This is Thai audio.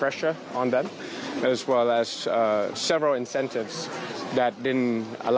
เพื่อสามารถสร้างพูดพูดต่อไป